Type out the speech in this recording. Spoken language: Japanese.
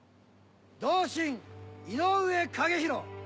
同心井上影弘。